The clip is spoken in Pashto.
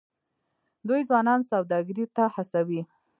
دوی ځوانان سوداګرۍ ته هڅوي.